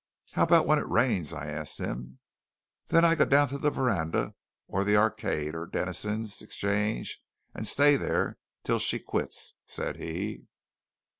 "How about when it rains?" I asked him. "Then I go down to the Verandah or the Arcade or Dennison's Exchange and stay there till she quits," said he.